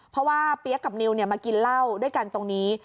เพราะว่าเปี๊ยกกับนิวมากินเหล้าด้วยกันตรงนี้